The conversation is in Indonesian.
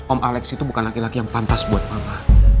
om alex itu bukan laki laki yang pantas buat mama